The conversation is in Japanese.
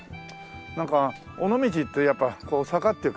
なんか尾道ってやっぱ坂っていうか